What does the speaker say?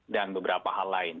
dan beberapa hal lain